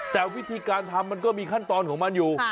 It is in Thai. แต่วิธีการทำมันก็มีขั้นตอนของมันอยู่